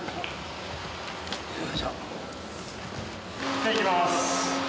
じゃあいきます。